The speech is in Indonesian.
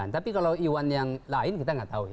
tapi kalau iwan yang lain kita nggak tahu ya